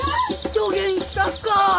どげんしたとか？